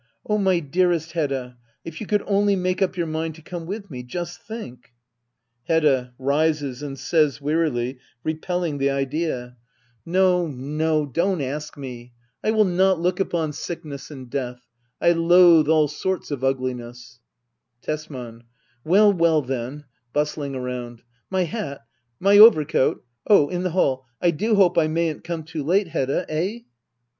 Oh, my dearest Hedda — if you could only make up your mind to come with me ! Just think ! Hedda. [Bises and says wearily , repelling the idea,] No, Digitized by Google 130 HEDDA OABLER. [aCT III. no, don't ask me. I will not look upon sickness and death. I loathe all sorts of ugliness. Tesman. Well, well, then ! [Bustling around,] My hat } My overcoat ? Oh, in the hall . I do hope I mayn't come too late, Hedda! Eh